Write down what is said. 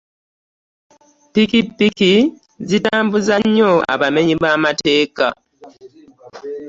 Ppikipiki zitambuza nnyo abamenyi b'amateeka.